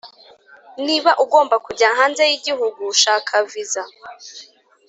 Niba ugomba kujya hanze y igihugu shaka visa